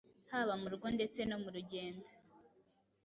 haba mu rugo ndetse no mu rugendo